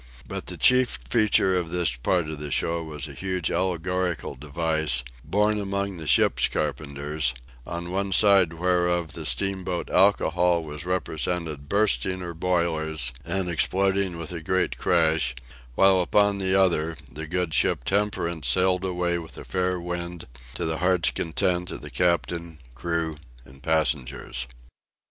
But the chief feature of this part of the show was a huge allegorical device, borne among the ship carpenters, on one side whereof the steamboat Alcohol was represented bursting her boiler and exploding with a great crash, while upon the other, the good ship Temperance sailed away with a fair wind, to the heart's content of the captain, crew, and passengers.